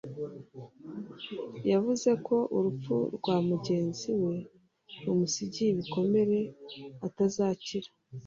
yavuze ko urupfu rwa mugenzi we rumusigiye ibikomere atazakira